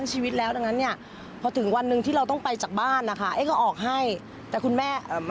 พี่ไม่ดูแลตรงไหนอะ